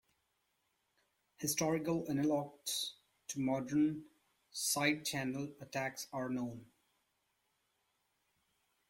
Historical analogues to modern side-channel attacks are known.